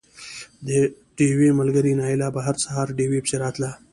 د ډېوې ملګرې نايله به هر سهار ډېوې پسې راتله